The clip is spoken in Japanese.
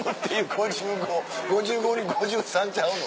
５５５５に５３ちゃうの？